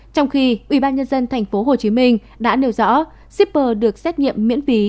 trong khi ubnd tp hcm đã nêu rõ shipper được xét nghiệm miễn phí